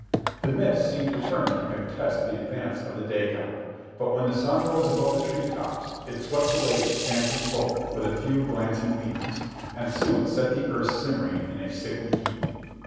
The mists seemed determined to contest the advance of the day god, but when the sun rose above the tree tops it swept away its phantom foe with a few glancing beams, and soon set the earth simmering in a sickly heat.